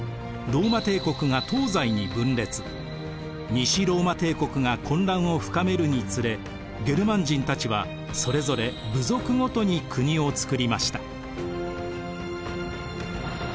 西ローマ帝国が混乱を深めるにつれゲルマン人たちはそれぞれ部族ごとに国をつくりました。